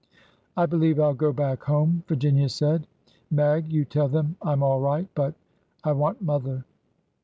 '' I believe I 'll go back home," Virginia said. '' Mag, you tell them I 'm all right— but— I want mother."